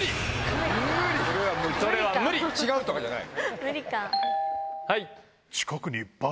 「違う」とかじゃない。